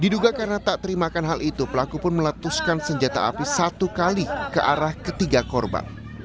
diduga karena tak terimakan hal itu pelaku pun meletuskan senjata api satu kali ke arah ketiga korban